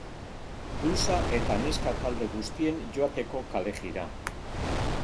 Blusa eta neska talde guztien joateko kalejira.